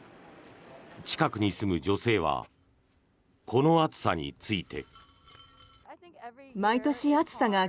近くに住む女性はこの暑さについて。